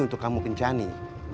untuk kamu kencani